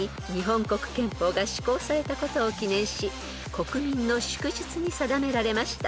［国民の祝日に定められました］